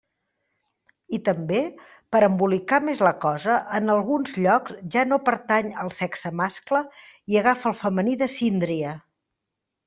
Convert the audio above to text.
I també, per a embolicar més la cosa, en alguns llocs ja no pertany al sexe mascle i agafa el femení de síndria.